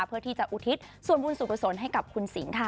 เพื่อที่จะอุทิศส่วนบุญสุขสลให้กับคุณสิงค่ะ